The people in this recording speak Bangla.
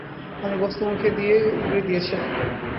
আমি গোশত মুখে দিয়েই উগরে দিয়েছিলাম।